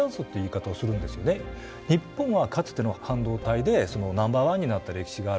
日本はかつての半導体でナンバーワンになった歴史がある。